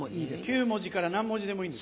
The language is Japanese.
９文字から何文字でもいい？